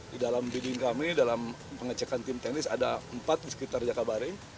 di dalam bidding kami dalam pengecekan tim teknis ada empat di sekitar jakabaring